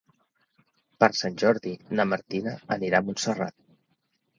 Per Sant Jordi na Martina anirà a Montserrat.